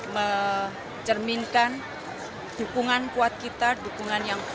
mencerminkan dukungan kuat kita dukungan yang kuat